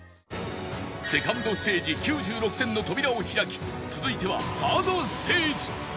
２ｎｄ ステージ９６点の扉を開き続いては ３ｒｄ ステージ